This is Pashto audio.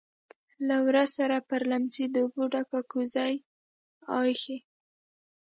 لهٔ ورهٔ سره پر لیمڅي د اوبو ډکه کوزه ایښې.